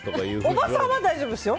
おばさんは大丈夫ですよ。